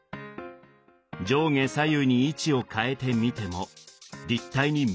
上下左右に位置を変えて見ても立体に見え続けています。